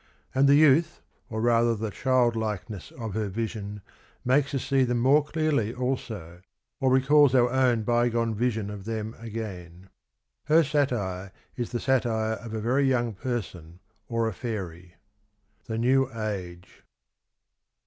And the youth, or rather the childlikeness of her vision, makes us see them more clearl}' also, or recalls our own bygone vision of them again. ... Her satire (is) the satire of a very young person or a fairy." — The New Age.